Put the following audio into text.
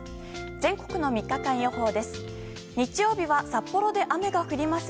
全国の３日間予報です。